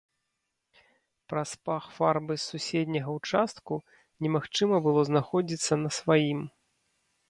Праз пах фарбы з суседняга ўчастку немагчыма было знаходзіцца на сваім.